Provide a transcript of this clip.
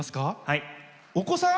お子さん？